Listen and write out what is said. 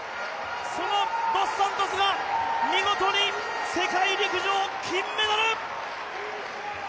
そのドス・サントスが見事に世界陸上、金メダル！